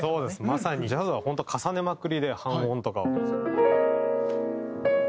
まさにジャズは本当重ねまくりで半音とかを。